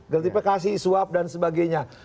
gertifikasi swap dan sebagainya